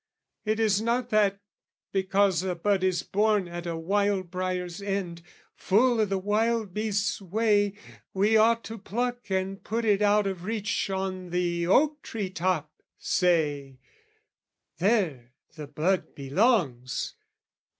It is not that, because a bud is born At a wild briar's end, full i' the wild beast's way, We ought to pluck and put it out of reach On the oak tree top, say, "There the bud belongs!"